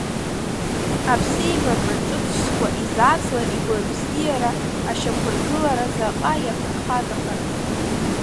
Аԥсеибакра ҿыцқәа изацлар игәабзиара ашьақәыргылара заҟа иаԥырхагахарыз!